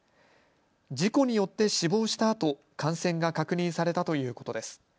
事故によって死亡したあと感染が確認されたということです。